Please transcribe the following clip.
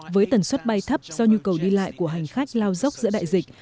với tần suất bay thấp do nhu cầu đi lại của hành khách lao dốc giữa đại dịch